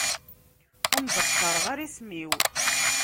Ur am-d-qqareɣ ara isem-iw.